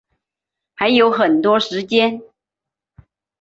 还有很多时间